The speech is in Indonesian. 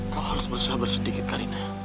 kau harus bersabar sedikit karina